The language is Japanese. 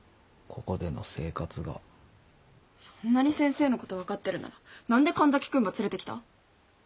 そんなに先生のこと分かってるなら何で神崎君ば連れてきた？